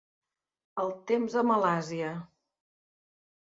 El temps a Malàisia